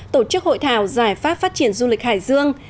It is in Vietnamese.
tổ chức hội thảo giải pháp phát triển du lịch hải dương